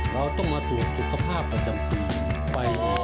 เราต้องมาตรวจสุขภาพประจำปี